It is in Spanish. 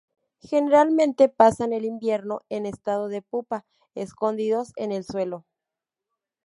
Generalmente pasan el invierno en estado de pupa escondidos en el suelo.